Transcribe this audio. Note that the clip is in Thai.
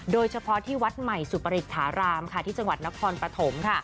โดยเฉพาะที่วัดใหม่สุปริธารามค่ะที่จังหวัดนครปฐมค่ะ